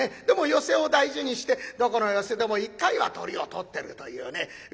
でも寄席を大事にしてどこの寄席でも１回はトリを取ってるというね。